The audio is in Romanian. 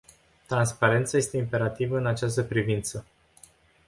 Transparența este imperativă în această privință.